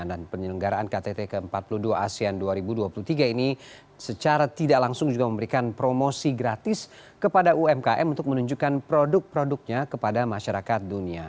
dan penyelenggaraan ktt ke empat puluh dua asean dua ribu dua puluh tiga ini secara tidak langsung juga memberikan promosi gratis kepada umkm untuk menunjukkan produk produknya kepada masyarakat dunia